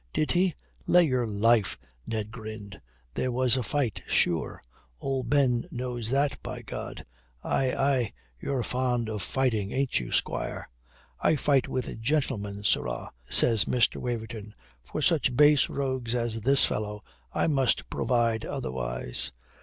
Did he " "Lay your life!" Ned grinned. "There was a fight, sure. Old Ben knows that, by God. Aye, aye, you're fond of fighting ain't you, squire?" "I fight with gentlemen, sirrah," says Mr. Waverton. "For such base rogues as this fellow, I must provide otherwise."